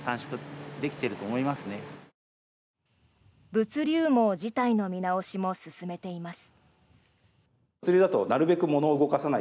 物流網自体の見直しも進めています。